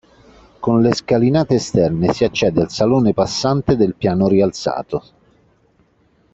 Con le scalinate esterne si accede al salone passante del piano rialzato.